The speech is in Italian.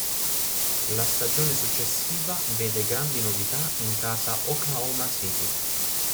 La stagione successiva vede grandi novità in casa Oklahoma City.